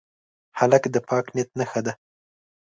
هلک د پاک نیت نښه ده.